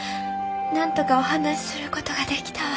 なんとかお話しする事ができたわ。